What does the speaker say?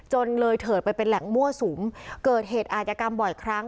เลยเถิดไปเป็นแหล่งมั่วสุมเกิดเหตุอาจกรรมบ่อยครั้ง